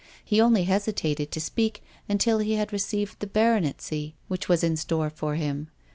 He only hesitated to speak until he had received the baronetcy which was in store for him.